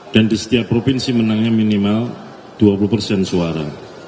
dan di setiap provinsi menangnya minimal dua puluh persen suara